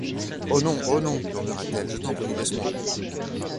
Oh ! non, oh ! non, murmura-t-elle, je t’en prie, laisse-moi !